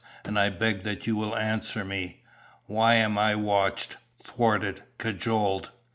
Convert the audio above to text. And I beg that you will answer me. Why am I watched, thwarted, cajoled?